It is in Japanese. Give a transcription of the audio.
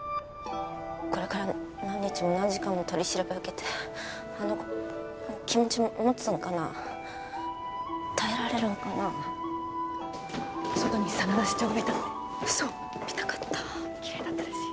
これから何日も何時間も取り調べを受けてあの子気持ち持つんかな耐えられるんかな外に真田社長がいたって嘘っ見たかった・キレイだったらしい・